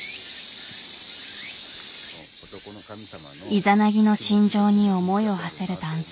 イザナギの心情に思いをはせる男性。